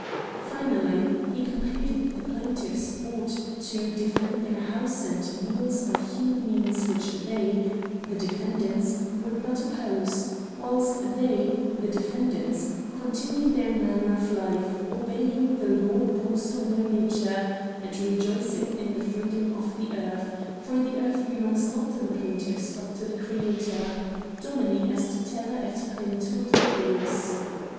" Finally^ he concluded that the plaintiffs ought to 71 Curiosities of Olden Times defend their house and meal by human means which they (the defendants) would not oppose ; whilst they (the defendants) continued their manner of life, obeying the law imposed on their nature, and rejoic ing in the freedom of the earth ; for the earth belongs not to the plaintiffs but to the Creator :* Domini est terra et plenitudo ejus.'